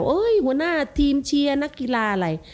หัวหน้าทีมเชียร์นักกีฬาอะไร